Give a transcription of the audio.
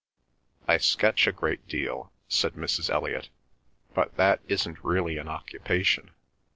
"I sketch a great deal," said Mrs. Elliot, "but that isn't really an occupation.